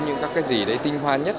những cái gì đấy tinh hoa nhất